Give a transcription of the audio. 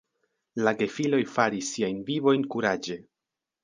La gefiloj faris siajn vivojn kuraĝe.